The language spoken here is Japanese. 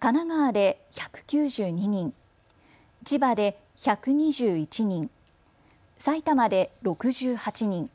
神奈川で１９２人、千葉で１２１人、埼玉で６８人。